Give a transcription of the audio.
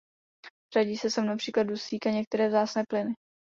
Řadí se sem například dusík a některé vzácné plyny.